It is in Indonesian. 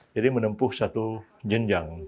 jadi menempuh satu jenjang